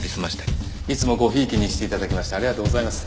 いつもごひいきにして頂きましてありがとうございます